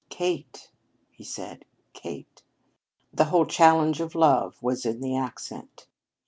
"Kate!" he said, "Kate!" The whole challenge of love was in the accent.